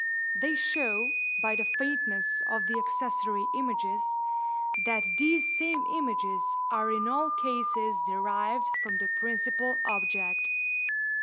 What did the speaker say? They show, by the faintness of the accessory images, that these same images are in all cases derived from the principal object.